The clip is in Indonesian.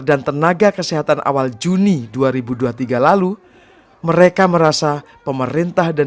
dan tenaga kesehatan awal juni dua ribu dua puluh tiga lalu mereka merasa pemerintah dan